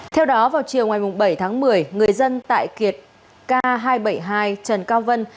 theo đó vào chiều ngày bảy tháng một mươi người dân tại kiệt k hai trăm bảy mươi hai trần cao vân